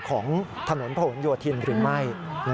ของถนนผนโยธินหรือไม่